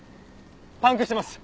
パンクしてます。